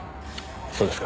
そうですか。